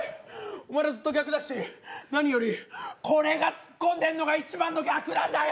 お前らずっと逆だし何よりこれがツッコんでんのがいちばんの逆なんだよ！